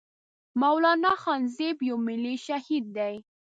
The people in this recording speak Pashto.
مولانا خانزيب يو ملي شهيد دی